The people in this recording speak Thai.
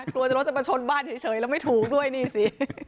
กลัวจะรถจะมาชนบ้านเฉยแล้วไม่ถูกด้วยนี่สิ